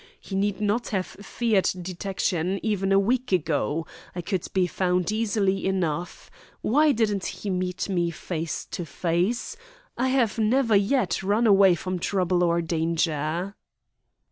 He need not have feared detection, even a week ago. I could be found easily enough. Why didn't he meet me face to face? I have never yet run away from trouble or danger."